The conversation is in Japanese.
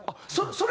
それ。